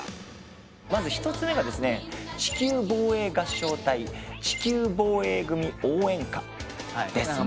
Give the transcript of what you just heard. まず１つ目が地球防衛合唱隊『地球防衛組応援歌』ですね。